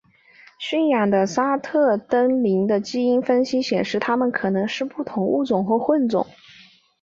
驯养的沙特瞪羚的基因分析显示它们有可能是不同的物种或混种。